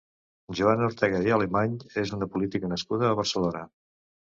Joana Ortega i Alemany és una política nascuda a Barcelona.